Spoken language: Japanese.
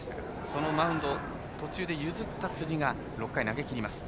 そのマウンドを途中で譲った辻が６回を投げきりました。